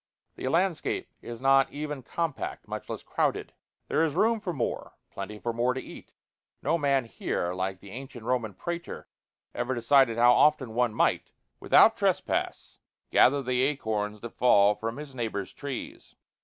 The landscape is not even compact, much less crowded. There is room for more, plenty for more to eat. No man here, like the ancient Roman pr├"tor, ever decided how often one might, without trespass, gather the acorns that fall from his neighbors' trees.